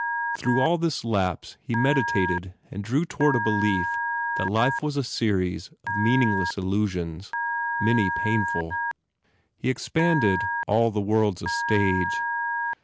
Through all this lapse he meditated and drew toward a belief that life was a series of meaning less illusions, many painful. He expanded "All the world s a stage."